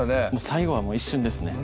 最後は一瞬ですね